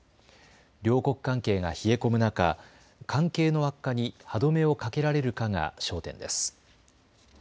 両国関係が冷え込む中、関係の悪化に歯止めをかけられるかが焦点です。